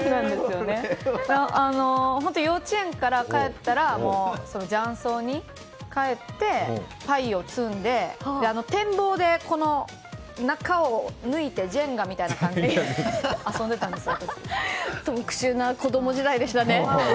本当、幼稚園から帰ったら雀荘に帰って、牌を積んで点棒で中を抜いてジェンガみたいな感じで特殊な子供時代でしたね。